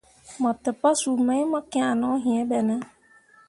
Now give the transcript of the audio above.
Mo te pasuu mai mo kian no yĩĩ ɓe ne.